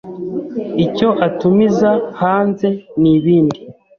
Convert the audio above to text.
’. Icyo atumiza hanze nibindi